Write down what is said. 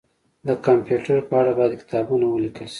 د کمپيوټر په اړه باید کتابونه ولیکل شي